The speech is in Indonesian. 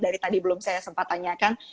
dari tadi belum saya sempat tanyakan